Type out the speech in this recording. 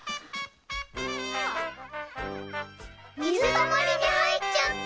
たまりにはいっちゃった！